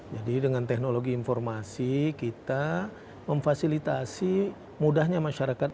jadi dengan teknologi informasi kita memfasilitasi mudahnya masyarakat